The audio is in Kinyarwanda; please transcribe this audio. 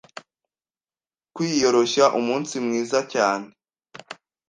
kwiyoroshya, umunsi mwiza cyane